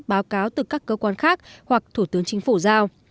báo cáo từ các cơ quan khác hoặc thủ tướng chính phủ giao